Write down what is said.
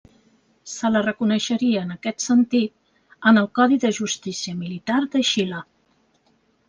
Se la reconeixeria en aquest sentit en el Codi de Justícia Militar de Xile.